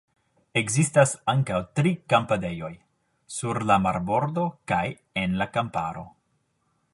Ekzistas ankaŭ tri kampadejoj – sur la marbordo kaj en la kamparo.